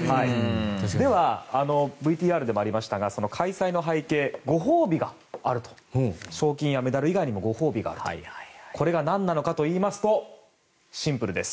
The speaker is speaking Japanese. では、ＶＴＲでもありましたが開催の背景には賞金やメダル以外にもご褒美が。これが何なのかといいますとシンプルです。